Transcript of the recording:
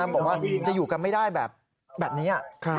บอกว่าจะอยู่กันไม่ได้แบบนี้